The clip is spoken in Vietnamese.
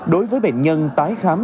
đối với bệnh nhân tái khám